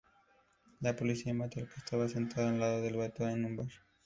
La policía mata al que estaba sentado al lado de Beto en un bar.